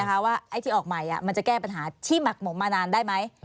เป็นปัญหาที่หมักหมมมานานได้ไหม